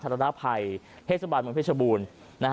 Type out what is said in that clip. ธรรมนาภัยเพชรบาลเมืองเพชรบูน